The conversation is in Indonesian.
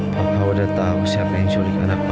papa udah tahu siapa yang menculik anak papa